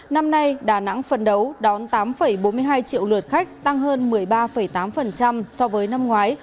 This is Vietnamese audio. năm nay đà nẵng phấn đấu đón tám bốn mươi hai triệu lượt khách tăng hơn một mươi ba tám so với năm ngoái